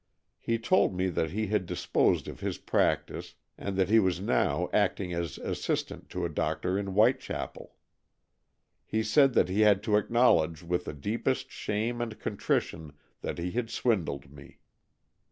He told me that he had disposed of his practice, and that he was now acting as assistant to a doctor in Whitechapel. He said that he had to acknowledge with the deepest shame and contrition that he had swindled me.